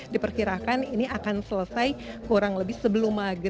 diperkirakan ini akan selesai kurang lebih sebelum maga